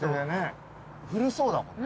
古そうだもんね。